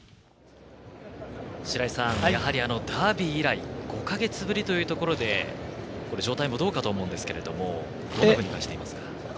白井さん、やはりダービー以来５か月ぶりというところで状態もどうかと思うんですけどどういうふうに感じていますか？